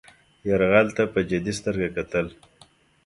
یرغل ته په جدي سترګه کتل.